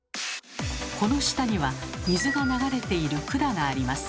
この下には水が流れている管があります。